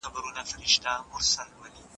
دغه ننګ او غیرت د پښتنو ځانګړنه ده.